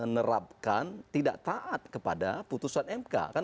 tetapi secara diam diam tidak mengakui artinya kalau dia misalnya mengakui